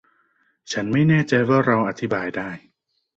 ฉันไม่แน่ใจว่าเราอธิบายได้